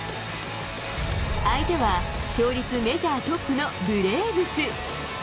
相手は勝率メジャートップのブレーブス。